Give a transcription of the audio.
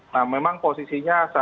nah memang posisinya sangat